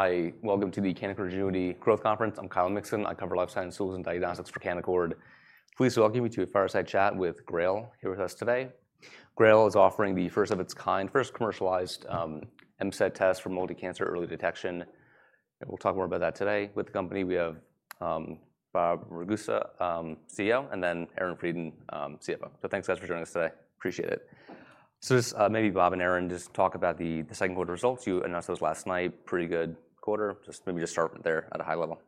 Hi, welcome to the Canaccord Genuity Growth Conference. I'm Kyle Mixon. I cover life science tools and diagnostics for Canaccord. Please welcome you to a fireside chat with GRAIL here with us today. GRAIL is offering the first of its kind, first commercialized, MCED test for multicancer early detection. We'll talk more about that today. With the company, we have Bob Ragusa, CEO, and then Aaron Freidin, CFO. Thanks guys for joining us today. Appreciate it. Maybe Bob and Aaron, just talk about the second quarter results. You announced those last night. Pretty good quarter. Maybe just start there at a high level.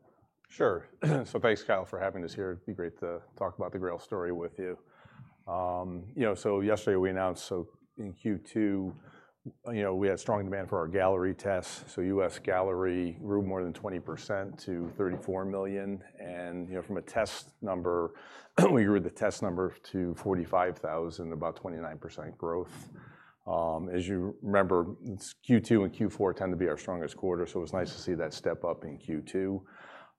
Sure. Thanks, Kyle, for having us here. It'd be great to talk about the GRAIL story with you. Yesterday we announced, in Q2, we had strong demand for our Galleri tests. U.S. Galleri grew more than 20% to $34 million. From a test number, we grew the test number to 45,000, about 29% growth. As you remember, Q2 and Q4 tend to be our strongest quarters, so it was nice to see that step up in Q2.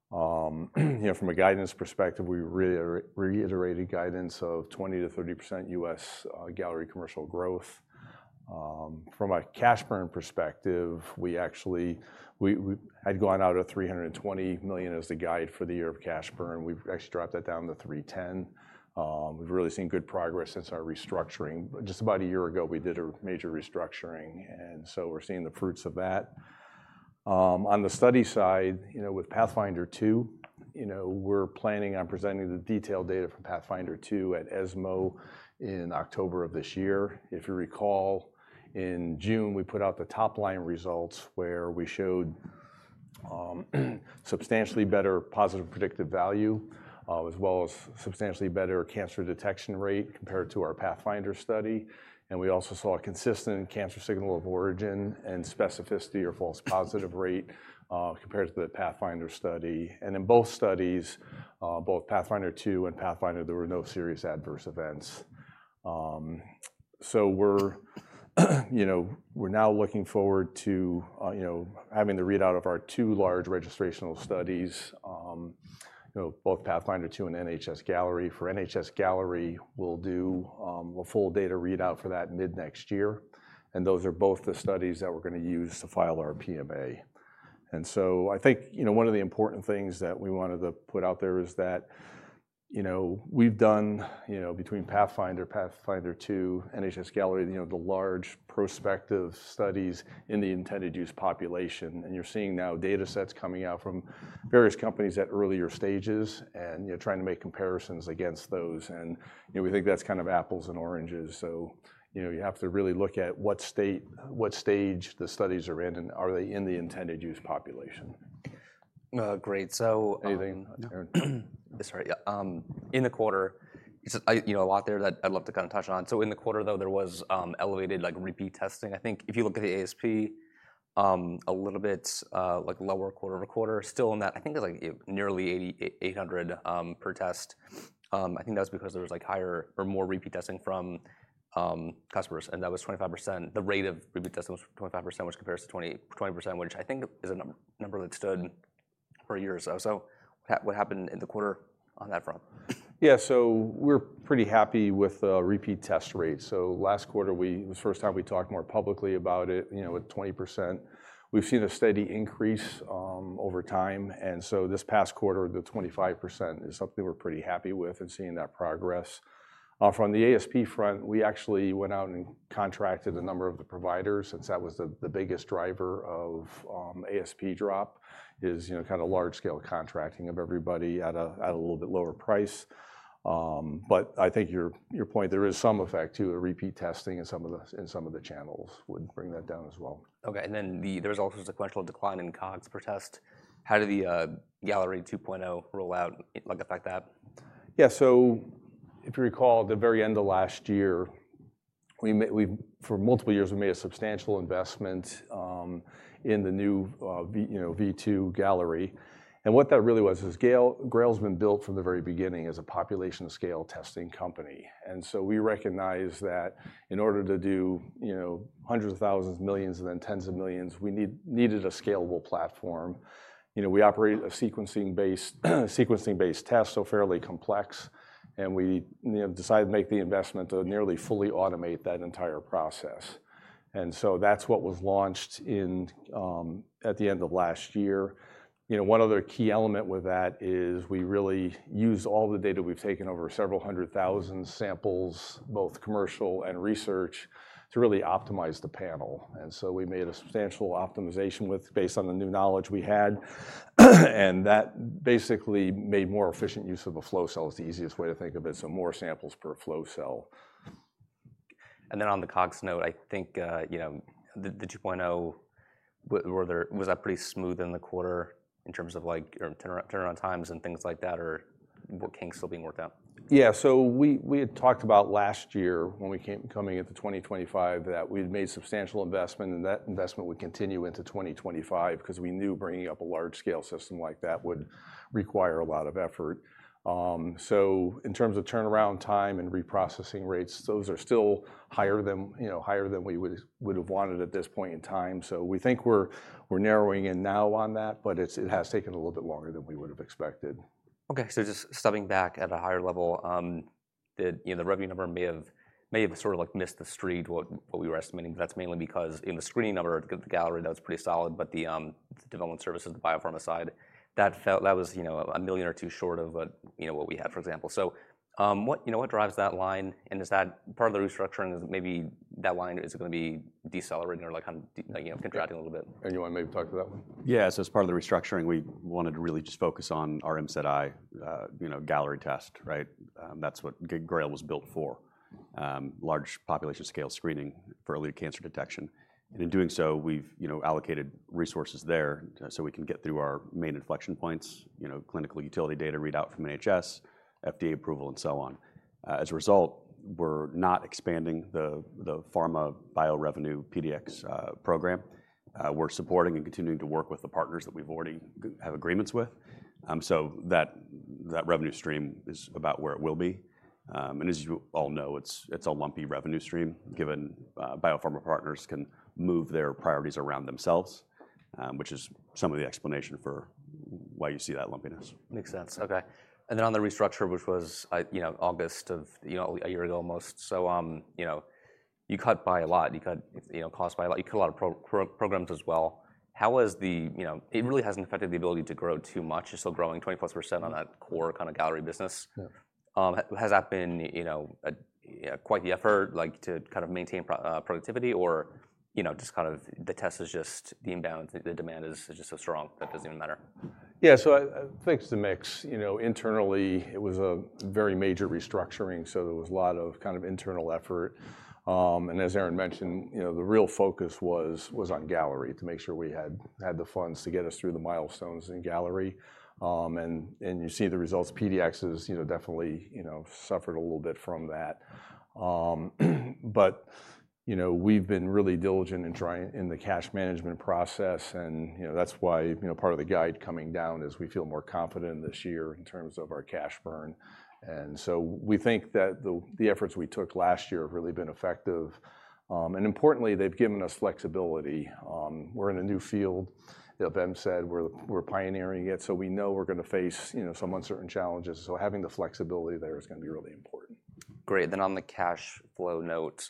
From a guidance perspective, we reiterated guidance of 20%-30% U.S. Galleri commercial growth. From a cash burn perspective, we had gone out at $320 million as the guide for the year of cash burn. We've actually dropped that down to $310 million. We've really seen good progress since our restructuring. Just about a year ago, we did a major restructuring, and we're seeing the fruits of that. On the study side, with Pathfinder 2, we're planning on presenting the detailed data from Pathfinder 2 at ESMO in October of this year. If you recall, in June, we put out the top line results where we showed substantially better positive predictive value, as well as substantially better cancer detection rate compared to our Pathfinder study. We also saw a consistent cancer signal of origin and specificity or false positive rate, compared to the Pathfinder study. In both studies, Pathfinder 2 and Pathfinder, there were no serious adverse events. We're now looking forward to having the readout of our two large registrational studies, both Pathfinder 2 and NHS-Galleri. For NHS-Galleri, we'll do a full data readout for that mid next year. Those are both the studies that we're going to use to file our PMA. One of the important things that we wanted to put out there is that we've done, between Pathfinder, Pathfinder 2, NHS-Galleri, the large prospective studies in the intended use population. You're seeing now data sets coming out from various companies at earlier stages and trying to make comparisons against those. We think that's kind of apples and oranges. You have to really look at what stage the studies are in, and are they in the intended use population? Great, anything? In the quarter, you said, you know, a lot there that I'd love to kind of touch on. In the quarter, though, there was elevated, like, repeat testing. I think if you look at the ASP, a little bit, like lower quarter-to-quarter, still in that, I think it was like nearly $8,800 per test. I think that was because there was like higher or more repeat testing from customers, and that was 25%. The rate of repeat testing was 25%, which compares to 20%, which I think is a number that stood for a year or so. What happened in the quarter on that front? Yeah, we're pretty happy with the repeat test rate. Last quarter, it was the first time we talked more publicly about it, at 20%. We've seen a steady increase over time, and this past quarter, the 25% is something we're pretty happy with and seeing that progress. From the ASP front, we actually went out and contracted a number of the providers since that was the biggest driver of ASP drop, kind of large scale contracting of everybody at a little bit lower price. I think your point, there is some effect to repeat testing in some of the channels that would bring that down as well. Okay. There was also a sequential decline in COGS per test. How did the Galleri 2.0 rollout affect that? Yeah, so if you recall at the very end of last year, we made, for multiple years, we made a substantial investment in the new, you know, P2 Galleri. What that really was, is GRAIL's been built from the very beginning as a population scale testing company. We recognize that in order to do, you know, hundreds of thousands, millions and then tens of millions, we needed a scalable platform. We operate a sequencing-based test, so fairly complex. We decided to make the investment to nearly fully automate that entire process. That's what was launched at the end of last year. One other key element with that is we really use all the data we've taken over several hundred thousand samples, both commercial and research, to really optimize the panel. We made a substantial optimization based on the new knowledge we had. That basically made more efficient use of a flow cell, is the easiest way to think of it. So more samples per flow cell. On the COGS note, I think the 2.0, was that pretty smooth in the quarter in terms of your turnaround times and things like that, or what can still be worked out? Yeah, we had talked about last year when we came into 2025 that we'd made a substantial investment, and that investment would continue into 2025 because we knew bringing up a large scale system like that would require a lot of effort. In terms of turnaround time and reprocessing rates, those are still higher than we would have wanted at this point in time. We think we're narrowing in now on that, but it has taken a little bit longer than we would have expected. Okay, so just stepping back at a higher level, the revenue number may have sort of missed the street, what we were estimating, but that's mainly because in the screening number, the Galleri note is pretty solid, but the development services, the biopharma side, that was a million or two short of what we had, for example. What drives that line? Is that part of the restructuring? Is it maybe that line? Is it going to be decelerating or kind of contracting a little bit? Do you want to maybe talk to that one? Yeah, so as part of the restructuring, we wanted to really just focus on our MCED, you know, Galleri test, right? That's what GRAIL was built for, large population scale screening for early cancer detection. In doing so, we've allocated resources there so we can get through our main inflection points, you know, clinical utility data, readout from NHS, FDA approval, and so on. As a result, we're not expanding the pharma bio revenue PDX program. We're supporting and continuing to work with the partners that we've already had agreements with. That revenue stream is about where it will be. As you all know, it's a lumpy revenue stream given biopharma partners can move their priorities around themselves, which is some of the explanation for why you see that lumpiness. Makes sense. Okay. On the restructure, which was August of a year ago almost, you cut by a lot. You cut cost by a lot. You cut a lot of programs as well. It really hasn't affected the ability to grow too much. It's still growing 20%+ on that core kind of Galleri business. Has that been quite the effort to maintain productivity, or is the demand just so strong that it doesn't even matter? Yeah, so I think it's the mix. Internally, it was a very major restructuring. There was a lot of kind of internal effort, and as Aaron Freidin mentioned, the real focus was on Galleri to make sure we had the funds to get us through the milestones in Galleri. You see the results. PDX has definitely suffered a little bit from that, but we've been really diligent in trying in the cash management process. That's why part of the guide coming down is we feel more confident this year in terms of our cash burn. We think that the efforts we took last year have really been effective, and importantly, they've given us flexibility. We're in a new field of MCED. We're pioneering it. We know we're going to face some uncertain challenges. Having the flexibility there is going to be really important. Great. On the cash flow note,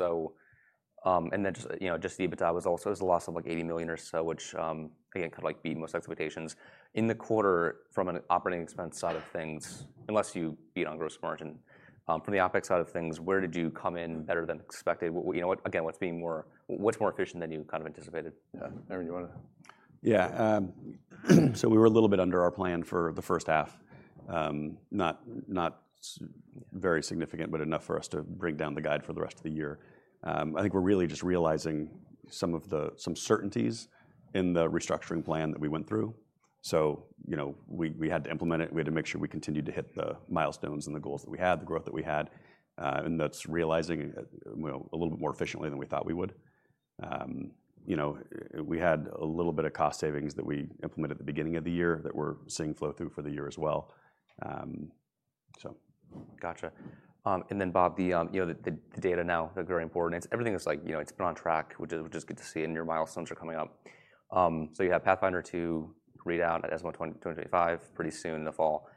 just, you know, the EBITDA was also, there's a loss of like $80 million or so, which, again, kind of like beat most expectations. In the quarter, from an operating expense side of things, unless you beat on gross margin, from the OpEx side of things, where did you come in better than expected? You know, what, again, what's being more, what's more efficient than you kind of anticipated? Aaron, do you want to? Yeah, so we were a little bit under our plan for the first half. Not very significant, but enough for us to bring down the guide for the rest of the year. I think we're really just realizing some certainties in the restructuring plan that we went through. We had to implement it. We had to make sure we continued to hit the milestones and the goals that we had, the growth that we had, and that's realizing a little bit more efficiently than we thought we would. We had a little bit of cost savings that we implemented at the beginning of the year that we're seeing flow through for the year as well. Gotcha. Bob, the data now, the GRAIL report, and it's everything that's, you know, it's been on track, which is good to see, and your milestones are coming up. You have Pathfinder 2 readout at ESMO 2025 pretty soon in the fall.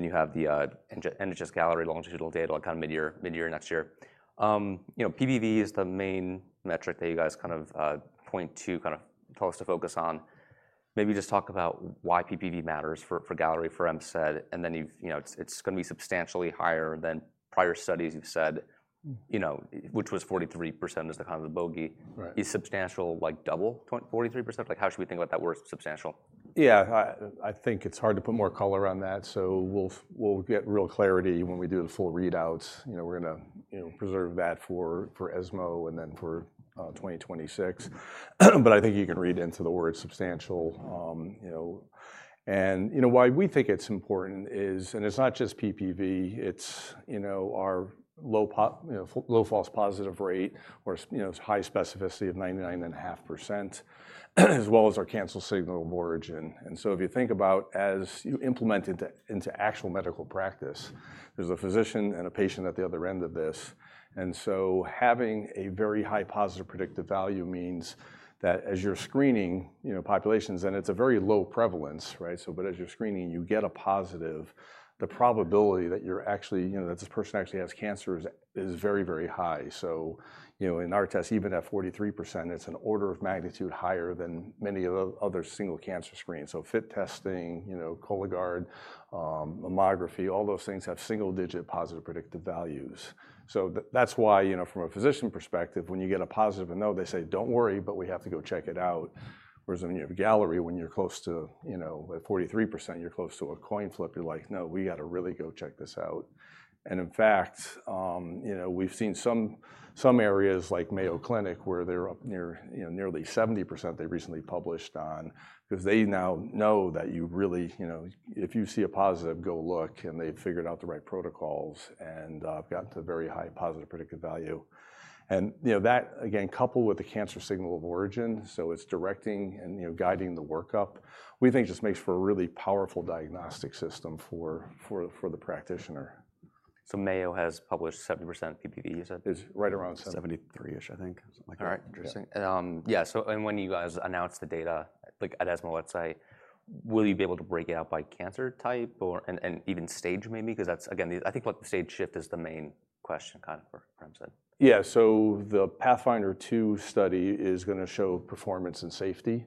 You have the NHS-Galleri longitudinal data kind of mid year, mid year next year. PPV is the main metric that you guys kind of point to, kind of tell us to focus on. Maybe just talk about why PPV matters for Galleri, for MCED, and then you've, you know, it's going to be substantially higher than prior studies you've said, which was 43% as the kind of the bogey. Is substantial like double 43%? How should we think about that where it's substantial? Yeah, I think it's hard to put more color on that. We'll get real clarity when we do the full readouts. We're going to preserve that for ESMO 2024 and then for 2026. I think you can read into the word substantial, you know, and why we think it's important is, and it's not just PPV, it's our low false positive rate or high specificity of 99.5%, as well as our cancer signal of origin. If you think about as you implement it into actual medical practice, there's a physician and a patient at the other end of this. Having a very high positive predictive value means that as you're screening populations, and it's a very low prevalence, right? As you're screening, you get a positive, the probability that this person actually has cancer is very, very high. In our test, even at 43%, it's an order of magnitude higher than many of the other single cancer screens. Fit testing, Cologuard, mammography, all those things have single-digit positive predictive values. That's why from a physician perspective, when you get a positive and they say, don't worry, but we have to go check it out. Whereas when you have a Galleri, when you're close to, at 43%, you're close to a coin flip, you're like, no, we got to really go check this out. In fact, we've seen some areas like Mayo Clinic where they're up near, nearly 70%. They recently published on, because they now know that you really, if you see a positive, go look, and they've figured out the right protocols and got to a very high positive predictive value. That, again, coupled with the cancer signal of origin, so it's directing and guiding the workup. We think this makes for a really powerful diagnostic system for the practitioner. Mayo has published 70% PPV, you said? Is right around 70%. Seventy-three, I think. All right. Interesting. Yeah, so when you guys announce the data, like at the ESMO website, will you be able to break it out by cancer type, and even stage maybe? Because that's, again, I think what the stage shift is, the main question kind of for MCED. Yeah, so the Pathfinder 2 study is going to show performance and safety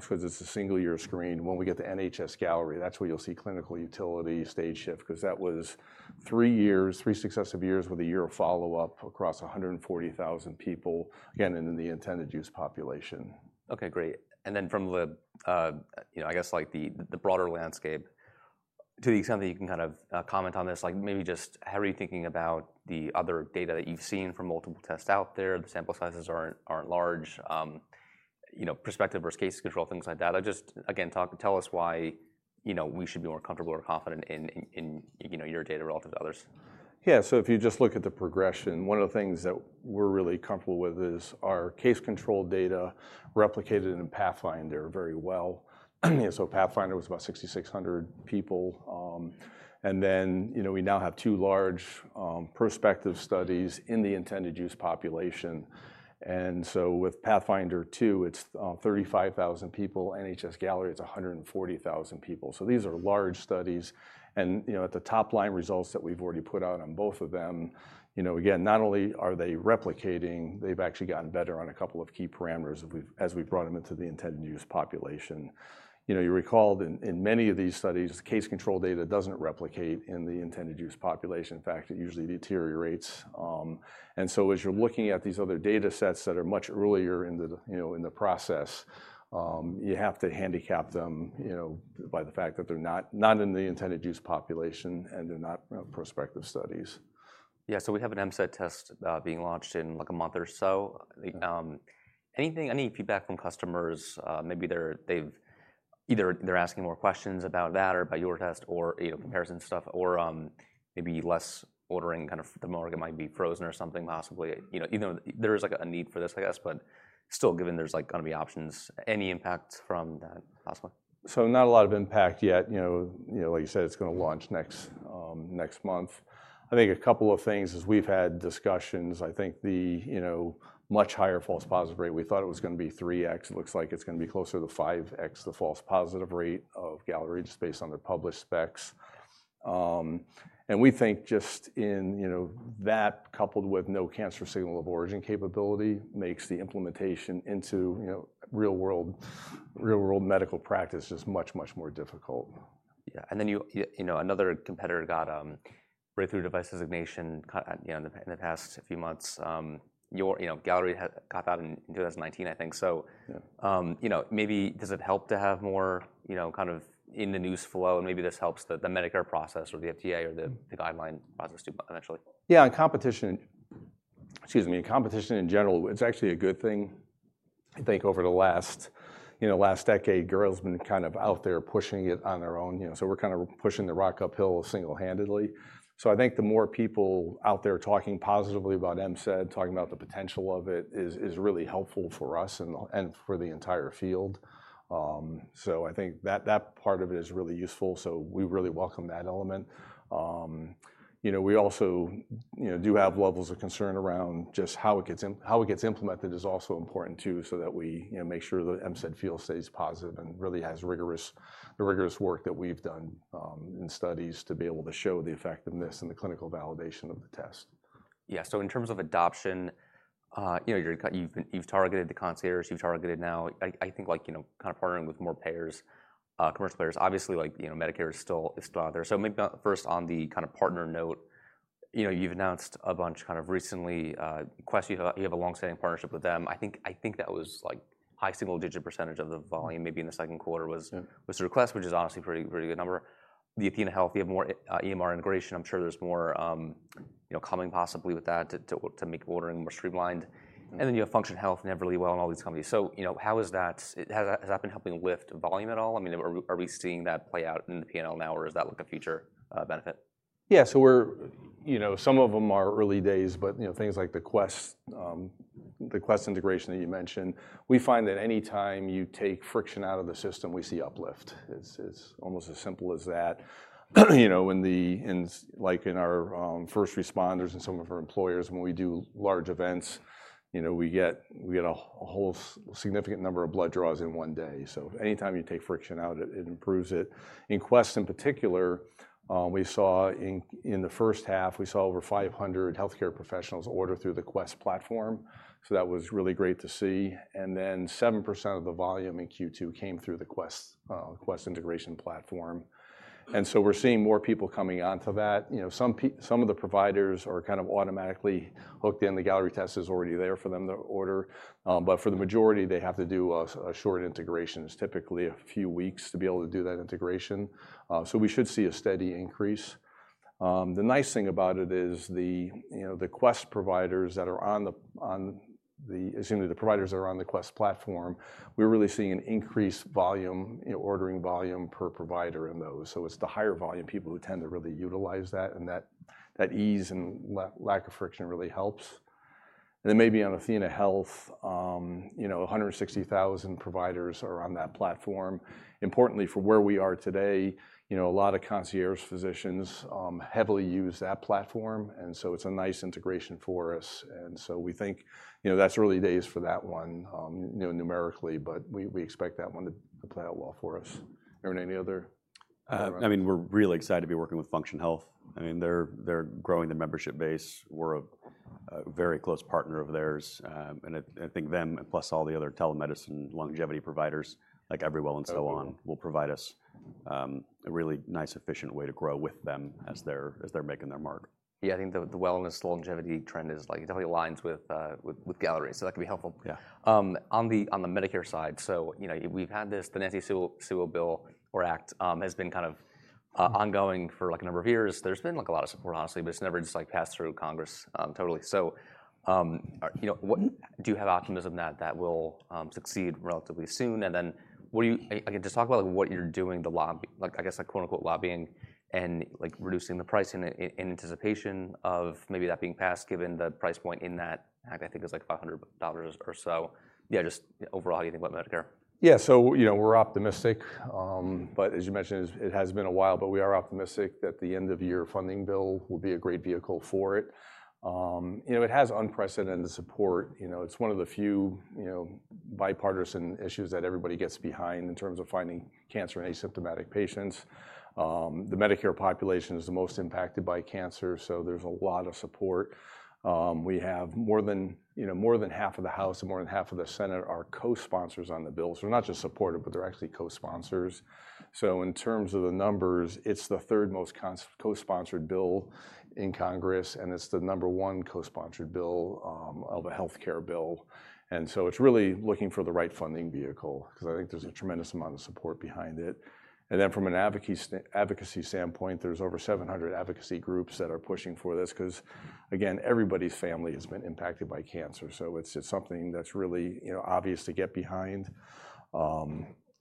for this single year screen. When we get to NHS-Galleri, that's where you'll see clinical utility stage shift, because that was three years, three successive years with a year of follow-up across 140,000 people, again, in the intended use population. Okay, great. From the broader landscape, to the extent that you can comment on this, maybe just how are you thinking about the other data that you've seen from multiple tests out there? The sample sizes aren't large. You know, perspective versus case control, things like that. Just, again, tell us why we should be more comfortable or confident in your data relative to others. Yeah, so if you just look at the progression, one of the things that we're really comfortable with is our case control data replicated in Pathfinder very well. Pathfinder was about 6,600 people, and then, you know, we now have two large prospective studies in the intended use population. With Pathfinder 2, it's 35,000 people. NHS-Galleri, it's 140,000 people. These are large studies. At the top line results that we've already put out on both of them, not only are they replicating, they've actually gotten better on a couple of key parameters as we've brought them into the intended use population. You recall in many of these studies, case control data doesn't replicate in the intended use population. In fact, it usually deteriorates. As you're looking at these other data sets that are much earlier in the process, you have to handicap them by the fact that they're not in the intended use population and they're not prospective studies. Yeah, so we have an MCED test being launched in like a month or so. Anything, any feedback from customers, maybe they're, they've either they're asking more questions about that or about your test or, you know, comparison stuff, or maybe less ordering, kind of the market might be frozen or something possibly, you know, even though there is like a need for this, I guess, but still given there's like going to be options, any impact from that? Not a lot of impact yet. Like you said, it's going to launch next month. I think a couple of things is we've had discussions. The much higher false positive rate, we thought it was going to be 3x. It looks like it's going to be closer to 5x the false positive rate of Galleri just based on their published specs. We think that, coupled with no cancer signal of origin capability, makes the implementation into real world medical practice just much, much more difficult. Yeah, another competitor got breakthrough device designation in the past few months. Galleri had got out in 2019, I think. Maybe does it help to have more in the news flow and maybe this helps the Medicare process or the FDA or the guideline process too eventually? Yeah, competition, excuse me, competition in general, it's actually a good thing. I think over the last, you know, last decade, GRAIL's been kind of out there pushing it on their own, you know, so we're kind of pushing the rock uphill single-handedly. I think the more people out there talking positively about MCED, talking about the potential of it is really helpful for us and for the entire field. I think that part of it is really useful. We really welcome that element. We also do have levels of concern around just how it gets, how it gets implemented is also important too, so that we make sure the MCED field stays positive and really has rigorous, the rigorous work that we've done, in studies to be able to show the effectiveness and the clinical validation of the test. Yeah, so in terms of adoption, you've targeted the concierge, you've targeted now, I think like, you know, kind of partnering with more payers, commercial payers, obviously like, you know, Medicare is still out there. Maybe not first on the kind of partner note, you've announced a bunch kind of recently. Quest, you have a longstanding partnership with them. I think that was like high single-digit percentage of the volume maybe in the second quarter was through Quest, which is obviously a pretty good number. The Athenahealth, you have more EMR integration. I'm sure there's more coming possibly with that to make ordering more streamlined. Then, you know, Function Health, Everlywell, and all these companies. How is that, has that been helping lift volume at all? I mean, are we seeing that play out in the P&L now or is that like a future benefit? Yeah, some of them are early days, but things like the Quest integration that you mentioned, we find that any time you take friction out of the system, we see uplift. It's almost as simple as that. In our first responders and some of our employers, when we do large events, we get a significant number of blood draws in one day. Any time you take friction out, it improves it. In Quest in particular, in the first half, we saw over 500 healthcare professionals order through the Quest platform. That was really great to see. Then 7% of the volume in Q2 came through the Quest integration platform. We're seeing more people coming onto that. Some of the providers are kind of automatically hooked in. The Galleri test is already there for them to order, but for the majority, they have to do a short integration. It's typically a few weeks to be able to do that integration, so we should see a steady increase. The nice thing about it is the Quest providers that are on the platform, we're really seeing an increased ordering volume per provider in those. It's the higher volume people who tend to really utilize that, and that ease and lack of friction really helps. Maybe on Athenahealth, 160,000 providers are on that platform. Importantly, for where we are today, a lot of concierge physicians heavily use that platform, and so it's a nice integration for us. We think that's early days for that one numerically, but we expect that one to play out well for us. Aaron, any other? We're really excited to be working with Function Health. They're growing their membership base. We're a very close partner of theirs, and I think them, plus all the other telemedicine longevity providers like Everlywell and so on, will provide us a really nice, efficient way to grow with them as they're making their mark. Yeah, I think the wellness longevity trend definitely aligns with Galleri, so that could be helpful. On the Medicare side, we've had the Nancy Sewell Act, which has been ongoing for a number of years. There's been a lot of support, honestly, but it's never just passed through Congress totally. Do you have optimism that that will succeed relatively soon? Can you just talk about what you're doing to lobby, I guess quote unquote lobbying, and reducing the pricing in anticipation of maybe that being passed given the price point? I think it's like $500 or so. Just overall, how you think about Medicare. Yeah, so, you know, we're optimistic, but as you mentioned, it has been a while, but we are optimistic that the end of year funding bill will be a great vehicle for it. You know, it has unprecedented support. You know, it's one of the few bipartisan issues that everybody gets behind in terms of finding cancer in asymptomatic patients. The Medicare population is the most impacted by cancer, so there's a lot of support. We have more than, you know, more than half of the House and more than half of the Senate are co-sponsors on the bill. So they're not just supportive, but they're actually co-sponsors. In terms of the numbers, it's the third most co-sponsored bill in Congress, and it's the number one co-sponsored healthcare bill. It's really looking for the right funding vehicle because I think there's a tremendous amount of support behind it. From an advocacy standpoint, there's over 700 advocacy groups that are pushing for this because, again, everybody's family has been impacted by cancer. It's just something that's really obvious to get behind.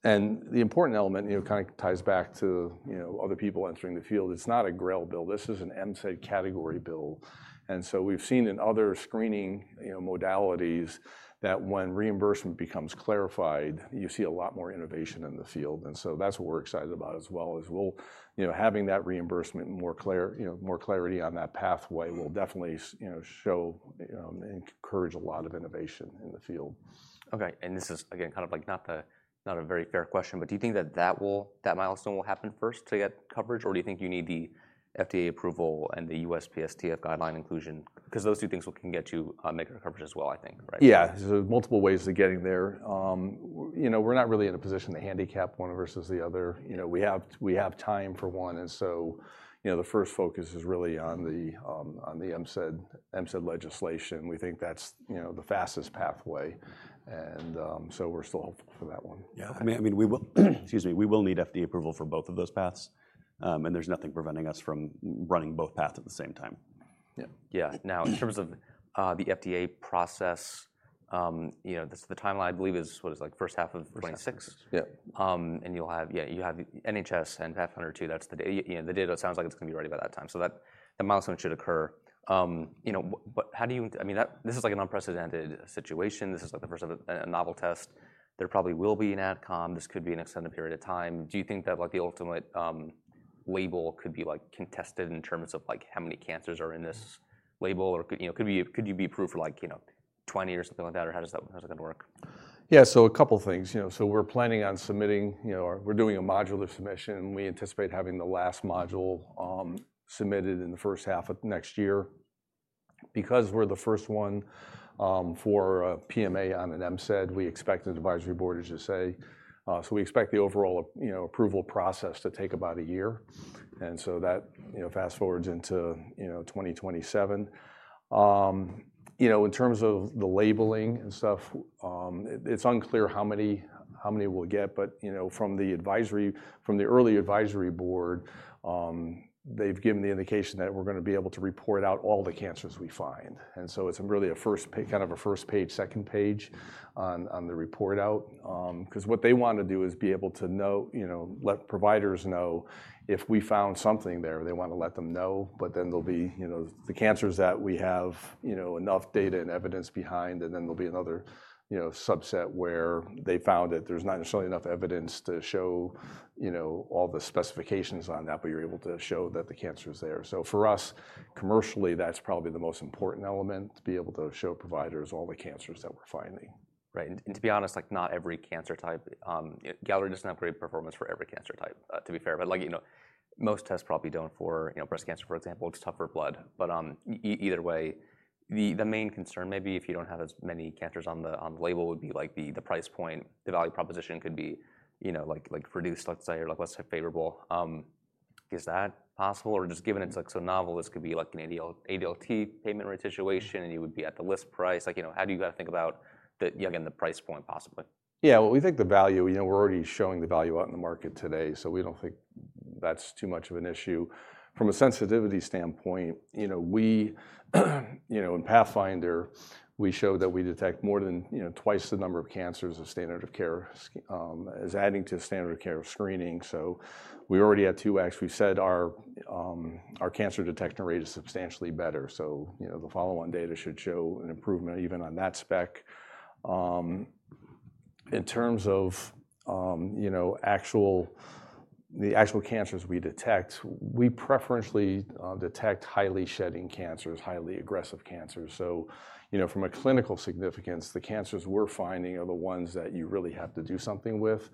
The important element kind of ties back to other people entering the field. It's not a GRAIL bill. This is an MCED category bill. We've seen in other screening modalities that when reimbursement becomes clarified, you see a lot more innovation in the field. That's what we're excited about as well, as having that reimbursement and more clarity on that pathway will definitely encourage a lot of innovation in the field. Okay. This is again, kind of like not a very fair question, but do you think that that will, that milestone will happen first to get coverage, or do you think you need the FDA approval and the USPSTF guideline inclusion? Those two things can get you Medicare coverage as well, I think, right? Yeah, there's multiple ways of getting there. We're not really in a position to handicap one versus the other. We have time for one, and the first focus is really on the MCED legislation. We think that's the fastest pathway, and we're still hopeful for that one. Yeah, I mean, we will need FDA approval for both of those paths, and there's nothing preventing us from running both paths at the same time. Yeah. Now in terms of the FDA process, the timeline I believe is what, is like first half of 2026. Yeah, and you'll have, yeah, you have NHS and Pathfinder 2. That's the data, the data sounds like it's going to be ready by that time. That milestone should occur. What, how do you, I mean, this is like an unprecedented situation. This is like the first of a novel test. There probably will be an ad com. This could be an extended period of time. Do you think that the ultimate label could be contested in terms of how many cancers are in this label or, you know, could you be approved for, like, 20 or something like that? How does that, how's that going to work? Yeah, so a couple of things. We're planning on submitting, you know, or we're doing a modular submission and we anticipate having the last module submitted in the first half of next year. Because we're the first one for a PMA on an MCED, we expect an advisory board to say, so we expect the overall approval process to take about a year. That fast forwards into 2027. In terms of the labeling and stuff, it's unclear how many, how many we'll get, but from the advisory, from the early advisory board, they've given the indication that we're going to be able to report out all the cancers we find. It's really a first, kind of a first page, second page on the report out, because what they want to do is be able to know, let providers know if we found something there, they want to let them know, but then there'll be the cancers that we have enough data and evidence behind, and then there'll be another subset where they found that there's not necessarily enough evidence to show all the specifications on that, but you're able to show that the cancer is there. For us, commercially, that's probably the most important element to be able to show providers all the cancers that we're finding. Right. To be honest, not every cancer type, you know, Galleri doesn't have great performance for every cancer type, to be fair, but most tests probably don't for, you know, breast cancer, for example. It's tougher blood, but either way, the main concern maybe if you don't have as many cancers on the label would be the price point. The value proposition could be, you know, reduced, let's say, or let's say favorable. Is that possible or just given it's so novel, this could be like an ADLT payment rate situation and you would be at the list price, you know, how do you got to think about that, you know, again, the price point possibly? Yeah, we think the value, you know, we're already showing the value out in the market today, so we don't think that's too much of an issue. From a sensitivity standpoint, you know, in Pathfinder, we showed that we detect more than twice the number of cancers of standard of care, is adding to standard of care of screening. We already had 2X. We said our cancer detection rate is substantially better. The follow-on data should show an improvement even on that spec. In terms of the actual cancers we detect, we preferentially detect highly shedding cancers, highly aggressive cancers. From a clinical significance, the cancers we're finding are the ones that you really have to do something with.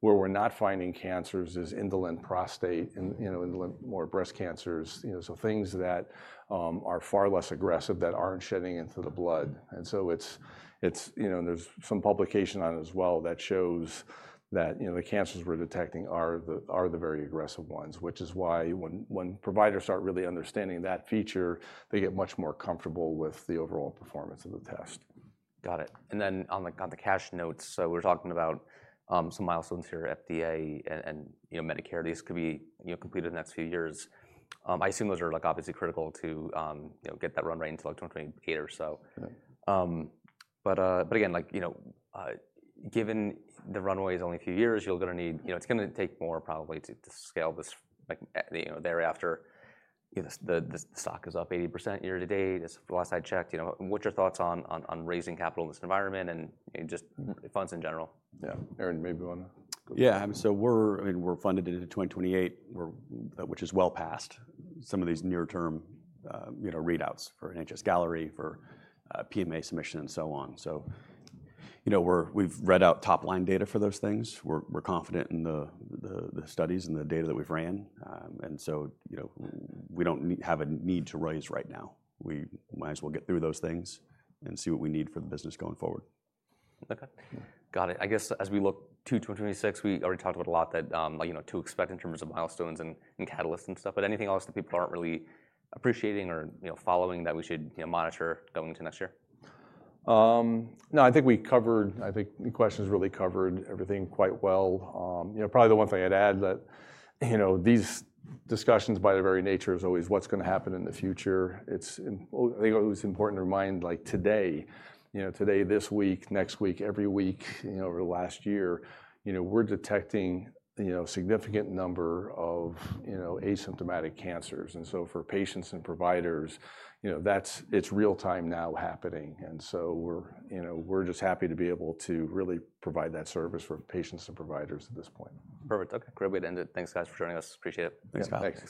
Where we're not finding cancers is indolent prostate and indolent more breast cancers, so things that are far less aggressive that aren't shedding into the blood. There is some publication on it as well that shows that the cancers we're detecting are the very aggressive ones, which is why when providers aren't really understanding that feature, they get much more comfortable with the overall performance of the test. Got it. On the cash note, we're talking about some milestones here, FDA and Medicare. These could be completed in the next few years. I assume those are obviously critical to get that run rate to 2028. Again, given the runway is only a few years, you're going to need, it's going to take more probably to scale this thereafter. The stock is up 80% year-to-date. As last I checked, what's your thoughts on raising capital in this environment and just funds in general? Yeah.Aaron, maybe you want to? Yeah, I mean, we're funded into 2028, which is well past some of these near-term readouts for NHS-Galleri, for PMA submission and so on. We've read out top line data for those things. We're confident in the studies and the data that we've ran, and we don't have a need to raise right now. We might as well get through those things and see what we need for the business going forward. Okay. Got it. I guess as we look to 2026, we already talked about a lot that, you know, to expect in terms of milestones and catalysts and stuff, but anything else that people aren't really appreciating or, you know, following that we should monitor going into next year? No, I think we covered, I think the questions really covered everything quite well. Probably the one thing I'd add is that these discussions by their very nature are always what's going to happen in the future. I think it's important to remind, like today, today, this week, next week, every week, over the last year, we're detecting a significant number of asymptomatic cancers. For patients and providers, that's real time now happening. We're just happy to be able to really provide that service for patients and providers at this point. Perfect. Okay. Great. We've ended. Thanks, guys, for joining us. Appreciate it. Thanks, guys.